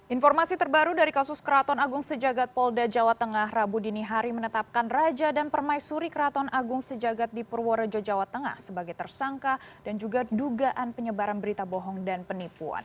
informasi terbaru dari kasus keraton agung sejagat polda jawa tengah rabu dini hari menetapkan raja dan permaisuri keraton agung sejagat di purworejo jawa tengah sebagai tersangka dan juga dugaan penyebaran berita bohong dan penipuan